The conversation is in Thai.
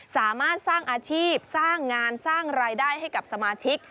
สามารถสร้างอาชีพสร้างงานสร้างรายได้ให้กับสมาชิก